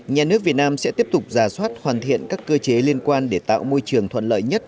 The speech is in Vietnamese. nhà nước việt nam sẽ tiếp tục giả soát hoàn thiện các cơ chế liên quan để tạo môi trường thuận lợi nhất